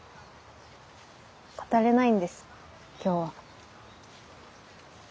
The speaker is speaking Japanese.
語れないんです今日は。